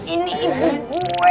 ini ibu gue